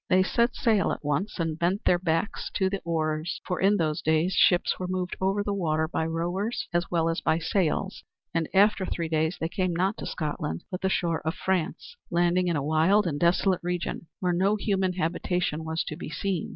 They set sail at once and bent their backs to the oars, for in those days ships were moved over the water by rowers as well as by sails; and after three days they came not to Scotland, but the shore of France, landing in a wild and desolate region where no human habitation was to be seen.